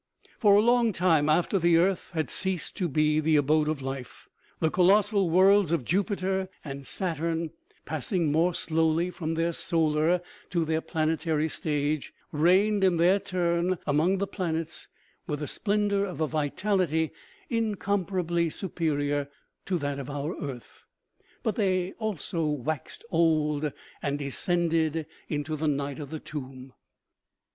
For a long time after the earth had ceased to be the abode of life, the colossal worlds of Jupiter and Saturn, OMEGA. 273 passing more slowly from their solar to their planetary stage, reigned in their turn among the planets, with the splendor of a vitality incomparably superior to that of our earth. But they, also, waxed old and descended into the night of the tomb.